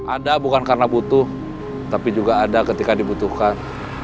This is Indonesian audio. ada bukan karena butuh tapi juga ada ketika dibutuhkan